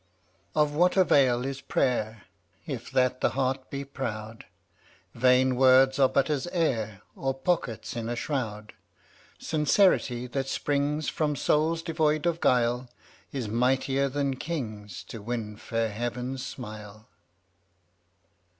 8 1 Of what avail is prayer (fttttAt* If that the heart be proud? ft* Vain words are but as air vl^£' Or pockets in a shroud. KUftfr Sincerity that springs J From souls devoid of guile, Is mightier than kings To win fair Heaven's smile.